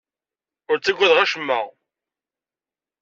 Ur ttaggadeɣ acemma.